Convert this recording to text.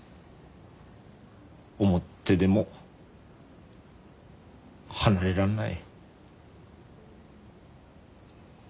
思ってでも離れらんない。